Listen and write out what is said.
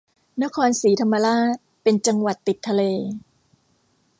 นครศรีธรรมราชเป็นจังหวัดติดทะเล